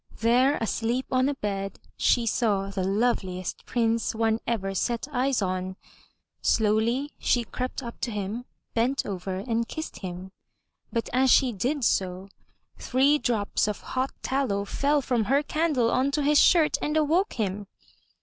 There asleep on a bed she saw the loveliest Prince one ever set eyes on. Slowly she crept up to him, bent over and kissed him. But as she did so, three drops of hot tallow fell from her candle onto his shirt and awoke him.